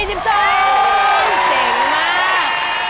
เจ๋งมาก